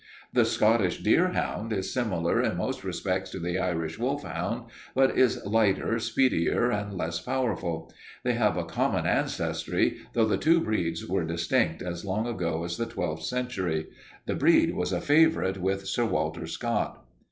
"The Scottish deerhound is similar in most respects to the Irish wolfhound, but is lighter, speedier, and less powerful. They have a common ancestry, though the two breeds were distinct as long ago as the twelfth century. The breed was a favorite with Sir Walter Scott.